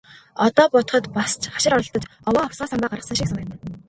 Одоо бодоход бас ч хашир оролдож, овоо овсгоо самбаа гаргасан шиг санагдана.